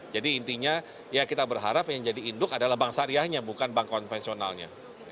jadi intinya ya kita berharap yang jadi induk adalah bank syariahnya bukan bank konvensionalnya